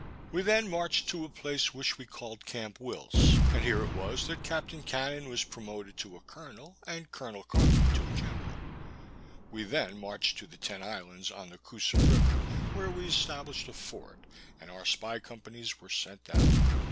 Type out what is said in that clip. We then marched to a place, which we called Camp Wills; and here it was that Captain Cannon was promoted to a colonel, and Colonel Coffee to a general. We then marched to the Ten Islands, on the Coosa river, where we established a fort; and our spy companies were sent out.